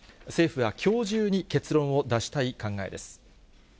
政府はきょう中に結論を出したい考えです。